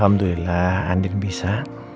alhamdulillah andin bisa